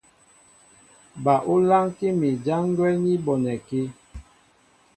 Ba ú lánkí mi ján gwɛ́ ní bonɛkí.